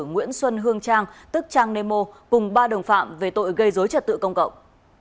nguyễn xuân hương trang tức trang nemo cùng ba đồng phạm về tội gây dối trật tự công cộng